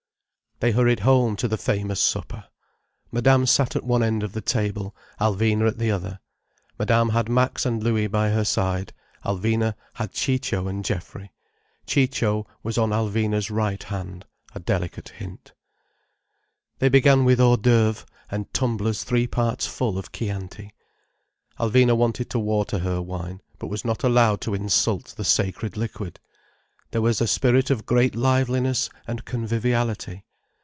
They hurried home to the famous supper. Madame sat at one end of the table, Alvina at the other. Madame had Max and Louis by her side, Alvina had Ciccio and Geoffrey. Ciccio was on Alvina's right hand: a delicate hint. They began with hors d'oeuvres and tumblers three parts full of Chianti. Alvina wanted to water her wine, but was not allowed to insult the sacred liquid. There was a spirit of great liveliness and conviviality.